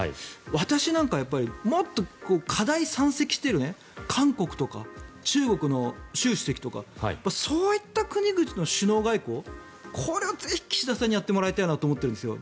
私なんかはもっと課題山積している韓国とか中国の習主席とかそういった国々の首脳外交これをぜひ、岸田さんにやってもらいたいなと思ってるんですよ。